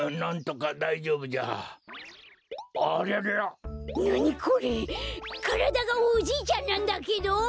からだがおじいちゃんなんだけど？